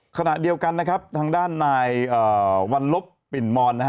ขณะเดียวกันนะครับทางด้านนายวันลบปิ่นมอนนะฮะ